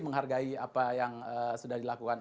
menghargai apa yang sudah dilakukan